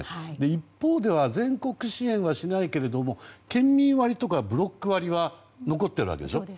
一方では全国支援はしないけども県民割とかブロック割は残っているわけでしょ。